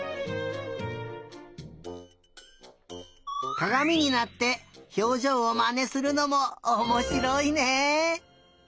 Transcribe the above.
かがみになってひょうじょうをまねするのもおもしろいね！